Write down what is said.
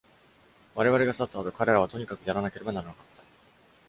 我々が去った後、彼らはとにかくやらなければならなかった。